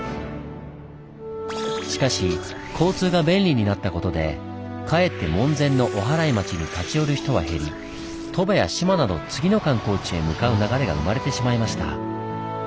しかし交通が便利になったことでかえって門前の「おはらい町」に立ち寄る人は減り鳥羽や志摩など次の観光地へ向かう流れが生まれてしまいました。